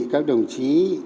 các đồng chí